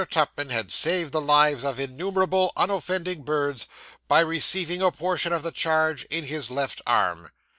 Tupman had saved the lives of innumerable unoffending birds by receiving a portion of the charge in his left arm.